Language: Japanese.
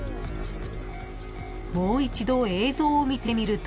［もう一度映像を見てみると］